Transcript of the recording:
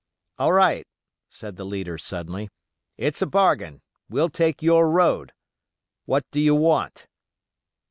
"All right," said the leader, suddenly, "it's a bargain: we'll take your road. What do you want?"